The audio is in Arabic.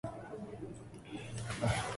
تأمل العيب عيب